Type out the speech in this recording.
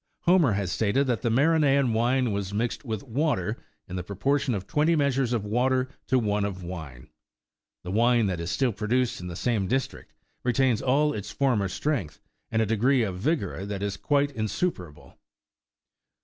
Homer38 has stated that the Maronean wine was mixed with water in the proportion of twenty measures of water to one of wine. The wine that is still produced in the same district retains all its former strength, and a degree of vigour that is quite insuperable.